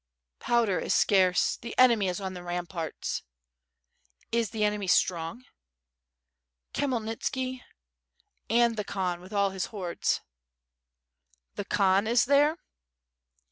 "Powder is scarce, the enemy is on the ramparts." "Is the enemy strong?" * "Khmyelnitski .... and the Khan with all his hordes." "The Khan is there?"